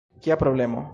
Kia problemo?